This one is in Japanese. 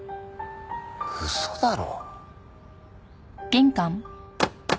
嘘だろ？